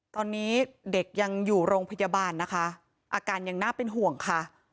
ตอนนี้เด็กยังอยู่โรงพยาบาลนะคะอาการยังน่าเป็นห่วงค่ะ